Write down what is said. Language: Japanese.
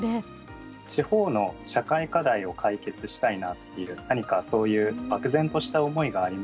地方の社会課題を解決したいなっていう何かそういう漠然とした思いがありまして。